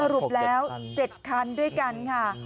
รุปแล้ว๗คันด้วยกันค่ะ